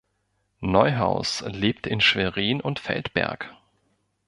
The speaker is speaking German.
Neuhaus lebt in Schwerin und Feldberg.